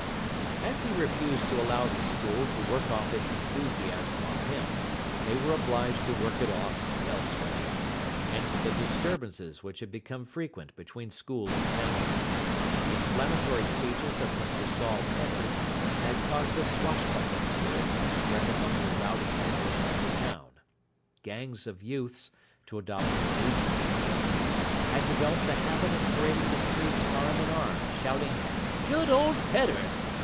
As he refused to allow the school to work off its enthusiasm on him, they were obliged to work it off elsewhere. Hence the disturbances which had become frequent between school and town. The inflammatory speeches of Mr Saul Pedder had caused a swashbuckling spirit to spread among the rowdy element of the town. Gangs of youths, to adopt the police court term, had developed a habit of parading the streets arm in arm, shouting "Good old Pedder!"